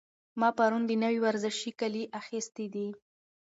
ما پرون د نوي ورزشي کالي اخیستي دي.